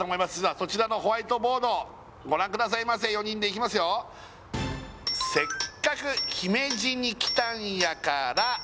そちらのホワイトませ４人でいきますよ「せっかく姫路に来たんやから」